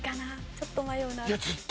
ちょっと迷うな」。